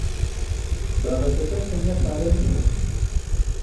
بابەتەکە تەنیا پارە نییە.